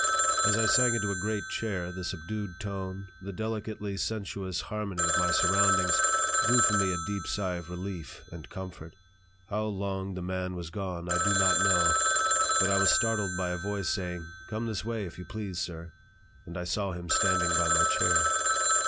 As I sank into a great chair, the subdued tone, the delicately sensuous harmony of my surroundings, drew from me a deep sigh of relief and comfort. How long the man was gone I do not know, but I was startled by a voice saying: "Come this way, if you please, sir," and I saw him standing by my chair.